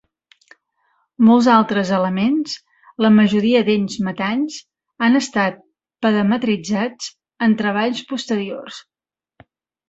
Molts altres elements, la majoria d'ells metalls, han estat parametritzats en treballs posteriors.